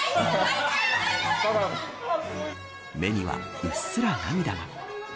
目には、うっすら涙が。